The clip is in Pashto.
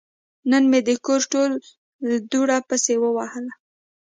نن مې د کور ټوله دوړه پسې ووهله.